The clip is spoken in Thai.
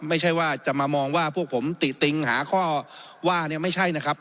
ไม่ใช่ว่าจะมามองว่าพวกผมติติงหาข้อว่าเนี่ยไม่ใช่นะครับ